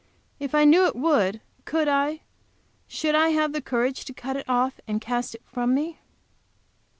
If I knew it would, could I, should I have courage to cut it off and cast it from me?